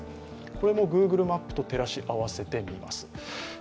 これもグーグルマップと照らし合わせてみます。